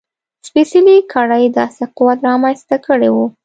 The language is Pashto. سپېڅلې کړۍ داسې قوت رامنځته کړی و.